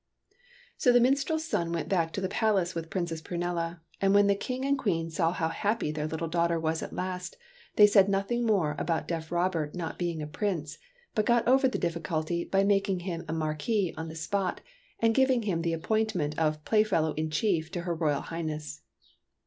" So the minstrel's son went back to the palace with Princess Prunella ; and when the King and Queen saw how happy their little daughter was at last, they said nothing more about deaf Robert not being a prince, but got over the difficulty by making him a Marquis on the spot and giving him the appointment of Playfellow in chief to her Royal Highness.